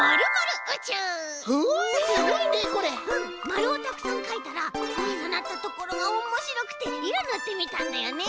まるをたくさんかいたらかさなったところがおもしろくていろぬってみたんだよね！